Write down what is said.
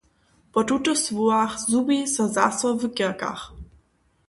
Po tutych słowach zhubi so zaso w kerkach.